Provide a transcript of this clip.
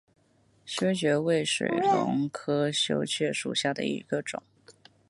修蕨为水龙骨科修蕨属下的一个种。